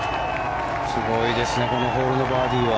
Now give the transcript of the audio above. すごいですねこのホールのバーディーは。